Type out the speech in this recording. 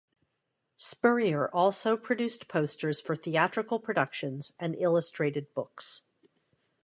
Spurrier also produced posters for theatrical productions and illustrated books.